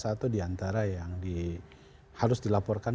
satu diantara yang harus dilaporkan